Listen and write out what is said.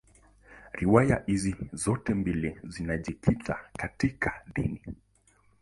Riwaya hizi zote mbili zinajikita katika dini.